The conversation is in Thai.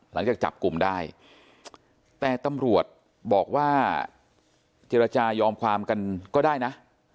หลังจากจับกลุ่มได้แต่ตำรวจบอกว่าเจรจายอมความกันก็ได้นะ